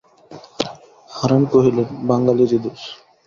হারান কহিলেন, বাঙালিরই দোষ।